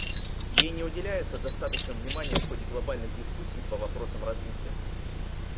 Ей не уделяется достаточно внимания в ходе глобальных дискуссий по вопросам развития.